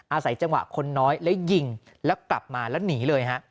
อาศัยจังหวะคนน้อยแล้วยิงแล้วกลับมาแล้วหนีเลยฮะ